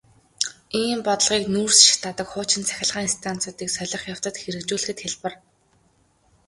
Ийм бодлогыг нүүрс шатаадаг хуучин цахилгаан станцуудыг солих явцад хэрэгжүүлэхэд хялбар.